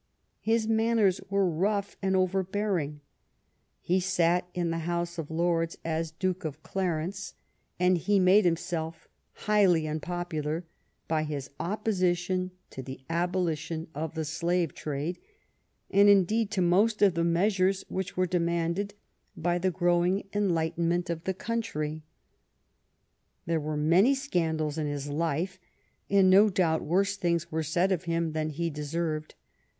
His manners were rou^h and overbearinor. He sat in the House of Lords as Duke of Clarence, GLADSTONE IN OFFICE 6 1 and he made himself highly unpopular by his opposition to the abolition of the slave trade, and, indeed, to most of the measures which were demanded by the growing enlightenment of the country. There were many scandals in his life, and no doubt worse things were said of him than he deserved.